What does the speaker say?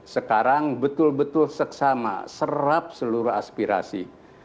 sekarang betul betul seksama serap seluruh aspirasi